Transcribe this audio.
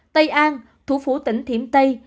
tây an thủ phủ tỉnh thiểm tây